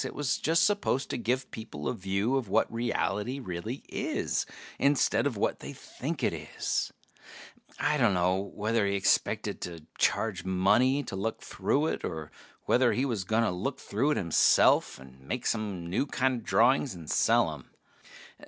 It was just supposed to give people a view of what reality really is, instead of what they think it is. I dunno whether he expected to charge money to look through it, or whether he was gonna look through it himself and make some new kinda drawings and sell 'em.